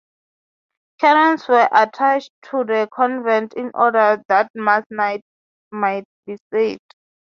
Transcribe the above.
Canons were attached to the convent in order that Mass might be said.